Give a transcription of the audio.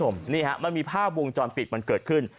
มันมีภาพวงจรปิดเกิดขึ้น